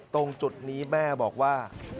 ตรงจุดนี้แม่บอกว่า